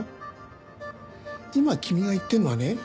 今君が言ってるのはね